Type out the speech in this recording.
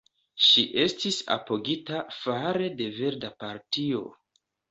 Ŝi estis apogita fare de Verda Partio.